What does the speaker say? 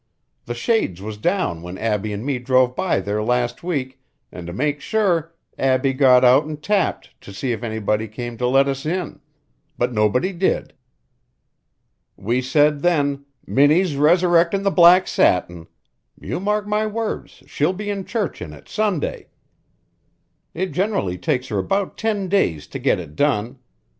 The shades was down when Abbie an' me drove by there last week an' to make sure Abbie got out an' tapped to' see if anybody'd come to let us in, but nobody did. We said then: 'Minnie's resurrectin' the black satin.' You mark my words she'll be in church in it Sunday. It generally takes her about ten days to get it done.